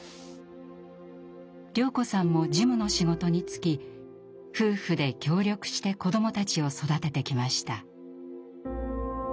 綾子さんも事務の仕事に就き夫婦で協力して子どもたちを育ててきました。